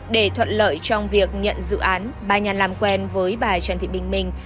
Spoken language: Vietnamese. để thuận lợi trong việc nhận dự án bà nhàn làm quen với bà trần thị bình minh